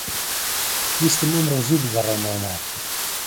ویستم ئەمڕۆ زوو بگەڕێمەوە ماڵ.